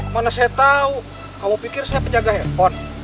mana saya tahu kamu pikir saya penjaga handphone